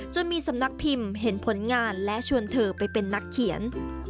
มีสำนักพิมพ์เห็นผลงานและชวนเธอไปเป็นนักเขียน